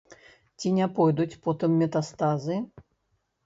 Ці не пойдуць потым метастазы?